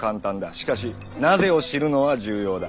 しかし「なぜ」を知るのは重要だ。